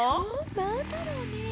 なんだろうね？